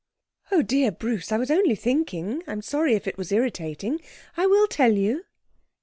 'Oh dear, Bruce, I was only thinking. I'm sorry if I was irritating. I will tell you.'